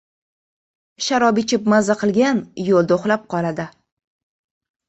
• Sharob ichib maza qilgan yo‘lda uxlab qoladi.